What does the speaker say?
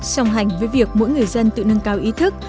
song hành với việc mỗi người dân tự nâng cao ý thức